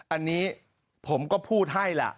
อันนี้ผมก็พูดให้ล่ะ